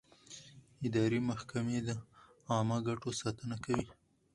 اداري محکمې د عامه ګټو ساتنه کوي.